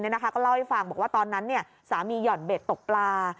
ก็เล่าให้ฟังบอกว่าตอนนั้นสามีหย่อนเบ็ดตกปลา